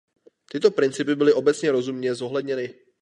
Tyto principy byly obecně rozumně zohledněny.